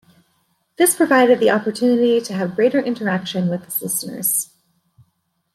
This provided the opportunity to have greater interaction with his listeners.